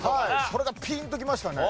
それがピンときましたね。